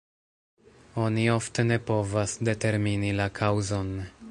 Oni ofte ne povas determini la kaŭzon.